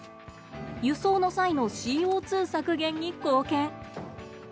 輸送の際のＣＯ削減に貢献。